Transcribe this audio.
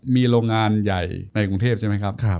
มีโรงงานใหญ่ในกรุงเทพใช่ไหมครับ